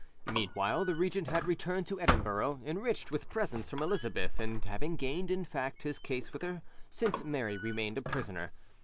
Meanwhile the regent had returned to Edinburgh, enriched with presents from Elizabeth, and having gained, in fact, his case with her, since Mary remained a prisoner.